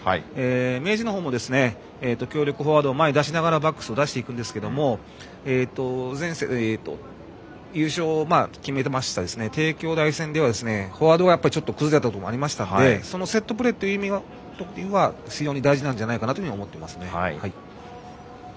明治のほうも強力フォワードを前に出しながらバックスを前に出すんですが優勝を決めた帝京大戦ではフォワードが崩れたところもありましたのでそのセットプレーというところが非常に大事なんじゃないかと思いますね。